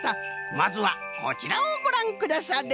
まずはこちらをごらんくだされ。